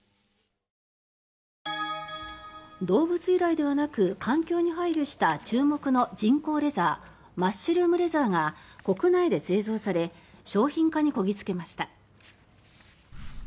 動物由来ではなく環境に配慮した注目の人工レザーマッシュルームレザーが国内で製造され商品化にこぎ着けました。